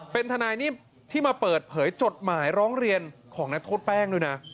เป็นทนายนิ่มที่มาเปิดเผยจดหมายร้องเรียนของนักโทษแป้งด้วยนะ